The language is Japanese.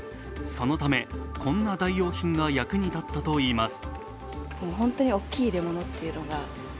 そのため、こんな代用品が役に立ったといいます。